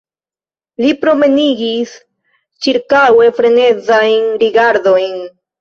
Li promenigis ĉirkaŭe frenezajn rigardojn.